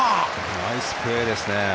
ナイスプレーですね。